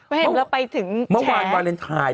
แล้วไปถึงแชร์เมื่อวานวาเลนไทย